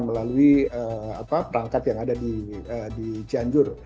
melalui perangkat yang ada di cianjur